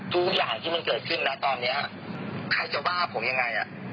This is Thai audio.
ทุกอย่างที่มันเกิดขึ้นนะตอนนี้ใครจะบ้าผมยังไง